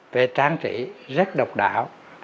về trang trí rất độc đáo